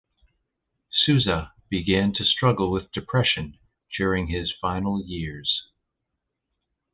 Sousa began to struggle with depression during his final years.